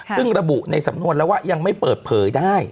ซึ่งระบุในสำนวนแล้วว่ายังไม่เปิดเผยได้